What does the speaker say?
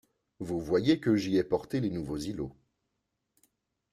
Vous voyez que j’y ai porté les nouveaux îlots.